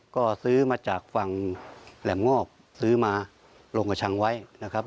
ก็ซื้อมาจากฝั่งแหลมงอกซื้อมาลงกระชังไว้นะครับ